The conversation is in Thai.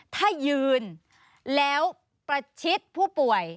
ถ้ายืนแล้วประชิดผู้ป่วย